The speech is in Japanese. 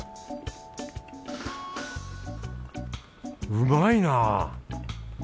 うまいなぁ！